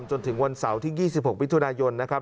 จนถึงวันเสาร์ที่๒๖มิถุนายนนะครับ